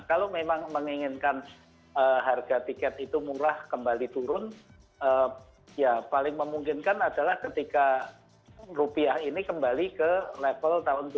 kalau memang menginginkan harga tiket itu murah kembali turun ya paling memungkinkan adalah ketika rupiah ini kembali ke level tahun dua ribu dua